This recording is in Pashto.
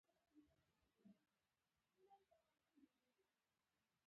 نجلۍ وويل ولې خپه يې.